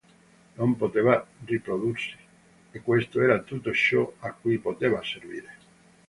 Non poteva riprodursi, e questo era tutto ciò a cui poteva servire.